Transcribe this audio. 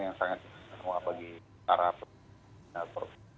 yang sangat berharap